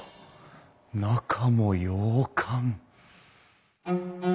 中も洋館。